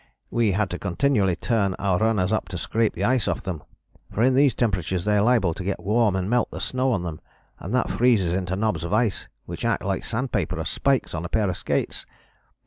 We had to continually turn our runners up to scrape the ice off them, for in these temperatures they are liable to get warm and melt the snow on them, and that freezes into knobs of ice which act like sandpaper or spikes on a pair of skates.